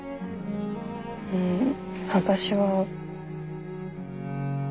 うん私は。